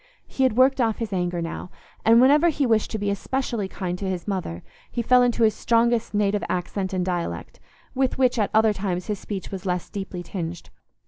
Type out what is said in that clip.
He had worked off his anger now, and whenever he wished to be especially kind to his mother, he fell into his strongest native accent and dialect, with which at other times his speech was less deeply tinged.